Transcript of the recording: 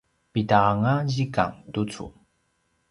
pida anga zikang tucu?